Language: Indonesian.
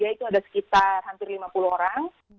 itu ada sekitar hampir lima puluh orang